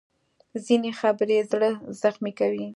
ځینې خبرې زړه زخمي کوي